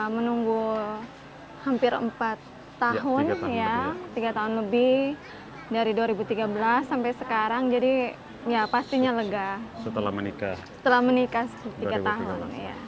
menunggu hampir empat tahun tiga tahun lebih dari dua ribu tiga belas sampai sekarang jadi ya pastinya lega setelah menikah tiga tahun